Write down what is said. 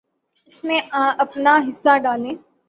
اس میں اپنا حصہ ڈالیں۔